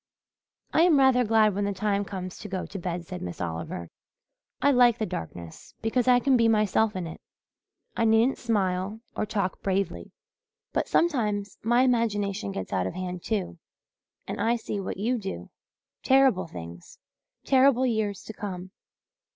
"I am rather glad when the time comes to go to bed," said Miss Oliver. "I like the darkness because I can be myself in it I needn't smile or talk bravely. But sometimes my imagination gets out of hand, too, and I see what you do terrible things terrible years to come."